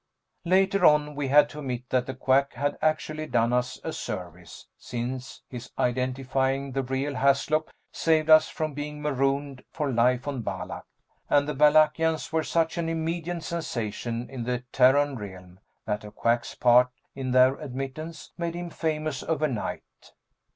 Later on we had to admit that the Quack had actually done us a service, since his identifying the real Haslop saved us from being marooned for life on Balak. And the Balakians were such an immediate sensation in the Terran Realm that the Quack's part in their admittance made him famous overnight.